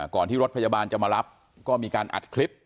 ที่รถพยาบาลจะมารับก็มีการอัดคลิป